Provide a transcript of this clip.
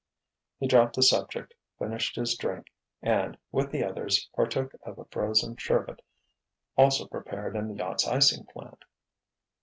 He dropped the subject, finished his drink and, with the others, partook of a frozen sherbet also prepared in the yacht's icing plant.